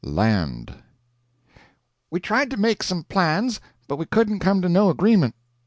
LAND We tried to make some plans, but we couldn't come to no agreement.